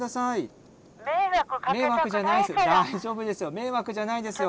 迷惑じゃないですよ。